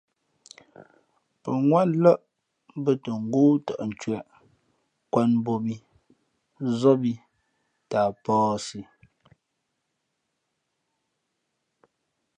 Pαŋwátlάʼ bᾱ tα ngóó tαʼ ncwēʼ, nkwāt mbōb mǐ, nzób ī tα a pᾱαsi.